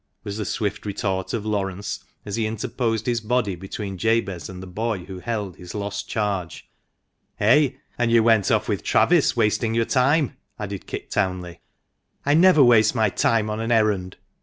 was the swift retort of Laurence, as he interposed his body between Jabez and the boy who held his lost charge. " Eh ! and you went off with Travis, wasting your time !" added Kit Townley. " I never waste my time on an errand."